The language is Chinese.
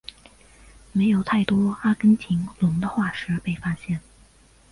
没有太多阿根廷龙的化石被发现。